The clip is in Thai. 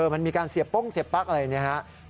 มันมีการเสียโป้งเสียบปั๊กอะไรนะครับ